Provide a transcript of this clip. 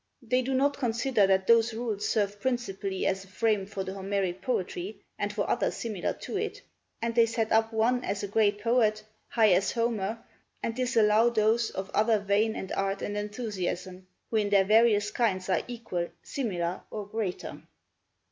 They do not consider that those rules serve principally as a frame for the Homeric poetry, and for other similar to it; and they set up one as a great poet, high as Homer, and disallow those of other vein and art and enthusiasm, who in their various kinds are equal, similar, or greater.